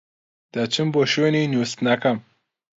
دەچم بۆ شوێنی نوستنەکەم.